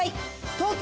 東京